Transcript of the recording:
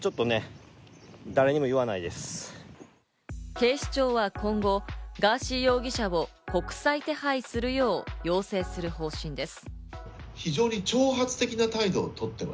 警視庁は今後、ガーシー容疑者を国際手配するよう要請する方針です。